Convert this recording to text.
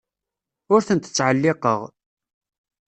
Ur tent-ttɛelliqeɣ.